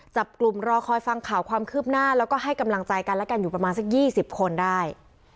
จับกลุ่มรอคอยฟังข่าวความคืบหน้าแล้วก็ให้กำลังใจกันและกันอยู่ประมาณสัก๒๐คนได้